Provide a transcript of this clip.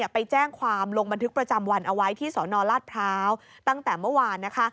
ไปแจ้งความลงบันทึกประจำวันเอาไว้ที่สนราชพร้าวตั้งแต่เมื่อวานนะคะ